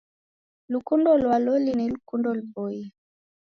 Lukundo lwa loli ni lukundo luboie.